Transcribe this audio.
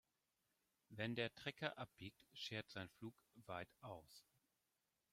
Wenn der Trecker abbiegt, schert sein Pflug weit aus.